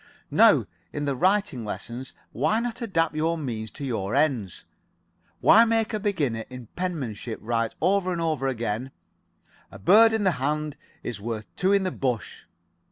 Now, in the writing lessons, why not adapt your means to your ends? Why make a beginner in penmanship write over and over again, 'A bird in the hand is worth two in the bush?'